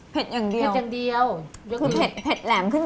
เผ็ดอย่างเดียว